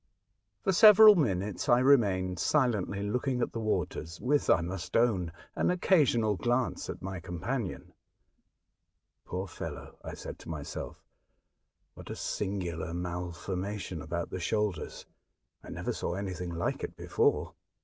For several minutes I remained silently looking at the waters, with, I must own, an occasional glance at my companion. " Poor fellow," I said to myself; " what a singular malformation about the shoulders. I never saw anything like it before.